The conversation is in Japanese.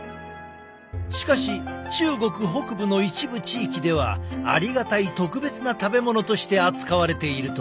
しかし中国北部の一部地域ではありがたい特別な食べ物として扱われているという。